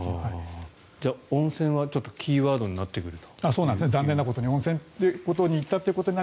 じゃあ温泉はキーワードになってくると。